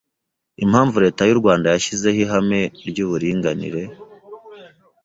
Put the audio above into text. Impamvu Leta y’u Rwanda yashyizeho ihame ry’uuringanire